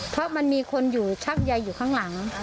เพราะมันมีคนชักใยอยู่ข้างหลัง